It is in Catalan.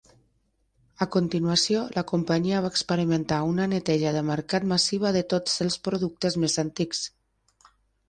A continuació, la companyia va experimentar una "neteja de mercat" massiva de tots els productes més antics.